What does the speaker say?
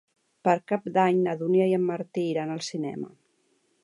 Per Cap d'Any na Dúnia i en Martí iran al cinema.